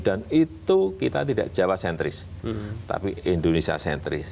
dan itu kita tidak jawa sentris tapi indonesia sentris